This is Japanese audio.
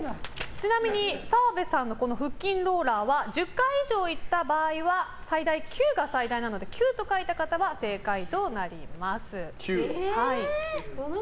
ちなみに澤部さんの腹筋ローラーは１０回以上いった場合は９が最大なので９と書いた方が正解となります。